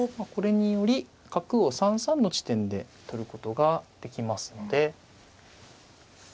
これにより角を３三の地点で取ることができますので。